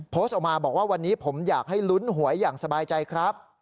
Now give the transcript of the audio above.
โพสต์ออกมาบอกว่าวันนี้ผมอยากให้ลุ้นหวยอย่างสบายใจครับ